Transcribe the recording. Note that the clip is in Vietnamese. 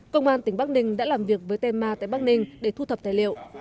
công an tỉnh bắc ninh đã làm việc với tenma tại bắc ninh để thu thập tài liệu